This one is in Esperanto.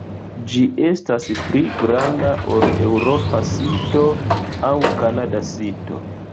Ĝi estas pli granda ol eŭropa sito aŭ kanada sito.